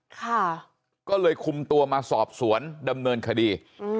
ค่ะก็เลยคุมตัวมาสอบสวนดำเนินคดีอืม